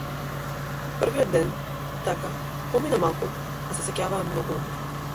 Првиот ден, така, поминаа малку, а сеќаваа многу умор.